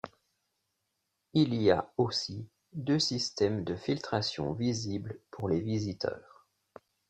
Il y a aussi deux systèmes de filtration visibles pour les visiteurs.